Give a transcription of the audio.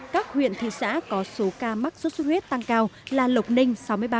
các huyện thị xã có số ca mắc sốt xuất huyết tăng cao là lộc ninh